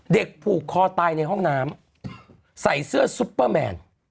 ผูกคอตายในห้องน้ำใส่เสื้อซุปเปอร์แมน